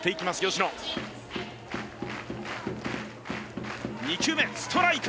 吉野２球目ストライク！